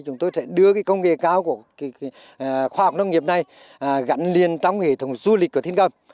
chúng tôi sẽ đưa công nghệ cao của khoa học nông nghiệp này gắn liền trong hệ thống du lịch của thiên cầm